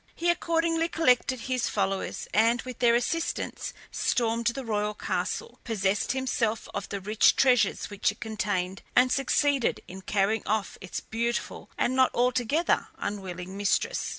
He accordingly collected his followers, and with their assistance stormed the royal castle, possessed himself of the rich treasures which it contained, and succeeded in carrying off its beautiful, and not altogether unwilling mistress.